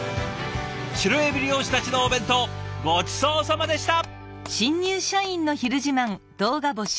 シロエビ漁師たちのお弁当ごちそうさまでした！